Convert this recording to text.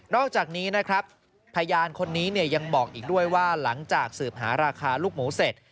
อกจากนี้นะครับพยานคนนี้ยังบอกอีกด้วยว่าหลังจากสืบหาราคาลูกหมูเสร็จ